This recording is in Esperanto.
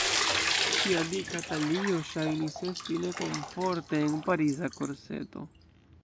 Ŝia dika talio ŝajnis esti nekomforte en Pariza korseto.